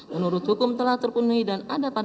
menurut hukum telah terpunuhi dan